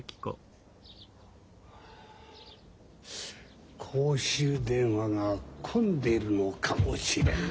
公衆電話が混んでるのかもしれんな。